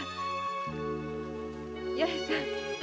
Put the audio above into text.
八重さん